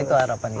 itu harapan kita